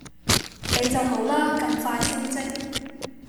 你就好啦！咁快升職。